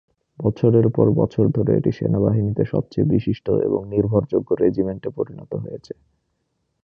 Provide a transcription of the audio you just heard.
বছরের পর বছর ধরে এটি সেনাবাহিনীতে সবচেয়ে বিশিষ্ট এবং নির্ভরযোগ্য রেজিমেন্টে পরিণত হয়েছে।